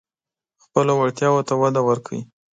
خپلو وړتیاوو ته وده ورکړئ.